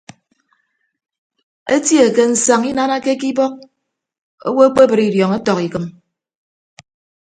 Etie nte nsañ inanake ke ibọk owo ekpebre idiọñ ọtọk ikịm.